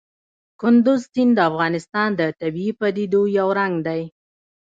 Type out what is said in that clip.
کندز سیند د افغانستان د طبیعي پدیدو یو رنګ دی.